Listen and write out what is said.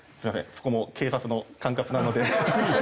そこも警察の管轄なので。